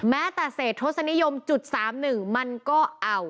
แม้แต่เศษทศนิยมจุด๓๑มันก็เอา